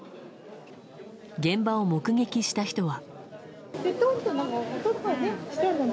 現場を目撃した人は。